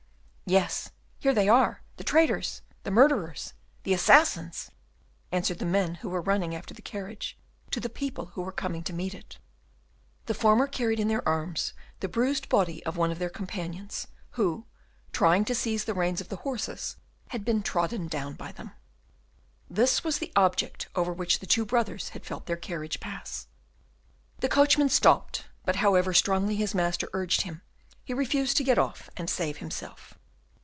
"Yes, here they are, the traitors, the murderers, the assassins!" answered the men who were running after the carriage to the people who were coming to meet it. The former carried in their arms the bruised body of one of their companions, who, trying to seize the reins of the horses, had been trodden down by them. This was the object over which the two brothers had felt their carriage pass. The coachman stopped, but, however strongly his master urged him, he refused to get off and save himself.